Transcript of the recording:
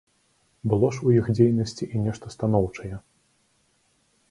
Было ж у іх дзейнасці і нешта станоўчае.